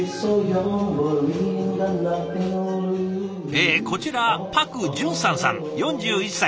えこちらパク・ジュンサンさん４１歳。